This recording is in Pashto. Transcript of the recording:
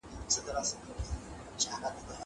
کېدای سي لیکل ستونزي ولري!!